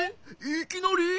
いきなり？